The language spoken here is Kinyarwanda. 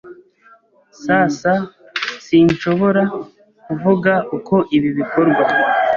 S S Sinshobora kuvuga uko ibi bikorwa.